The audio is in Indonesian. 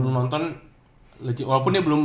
udah nonton walaupun dia belum